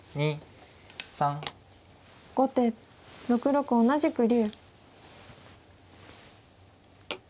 後手６六同じく竜。